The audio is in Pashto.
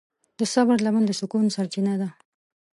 د صبر لمن د سکون سرچینه ده.